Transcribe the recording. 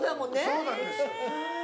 そうなんです。